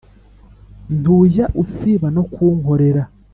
ntujya usiba no kunkorera